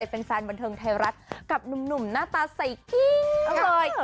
แฟนบันเทิงไทยรัฐกับหนุ่มหน้าตาใส่เกี้ยวเลย